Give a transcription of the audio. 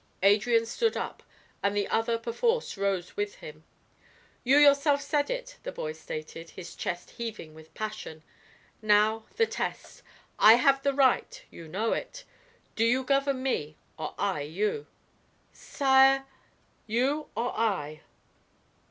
Adrian stood up, and the other perforce rose with him. "You yourself said it," the boy stated, his chest heaving with passion. "Now, the test. I have the right; you know it. Do you govern me, or I you?" "Sire " "You or I?"